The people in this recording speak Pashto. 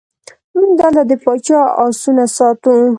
موږ دلته د پاچا آسونه ساتو.